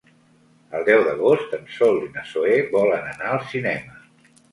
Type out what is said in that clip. El deu d'agost en Sol i na Zoè volen anar al cinema.